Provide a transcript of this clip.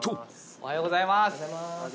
おはようございます。